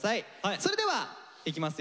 それではいきますよ。